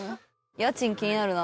家賃気になるな。